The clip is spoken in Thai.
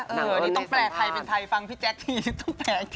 ต้องแปลไทยเป็นไทยฟังพี่แจ๊กที่ต้องแปลอีก